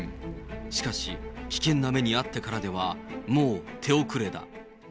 しかし、危険な目に遭ってからでは、もう手遅れだ。